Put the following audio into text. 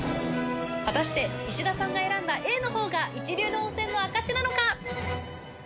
果たして石田さんが選んだＡのほうが一流の温泉の証しなのか？